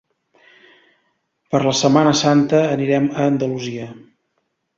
Per Setmana Santa anirem a Andalusia.